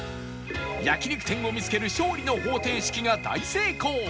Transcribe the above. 焼肉店を見つける勝利の方程式が大成功！